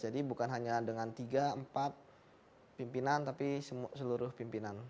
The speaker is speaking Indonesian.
jadi bukan hanya dengan tiga empat pimpinan tapi seluruh pimpinan